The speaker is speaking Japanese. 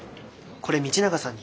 これ道永さんに。